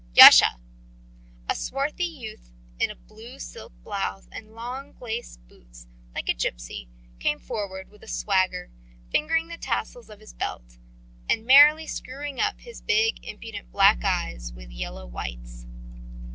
Yasha!" A swarthy youth in a blue silk blouse and long glacé boots, like a gipsy, came forward with a swagger, fingering the tassels of his belt, and merrily screwing up his big, impudent black eyes with yellow whites.